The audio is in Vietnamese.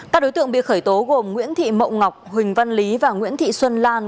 các đối tượng bị khởi tố gồm nguyễn thị mộng ngọc huỳnh văn lý và nguyễn thị xuân lan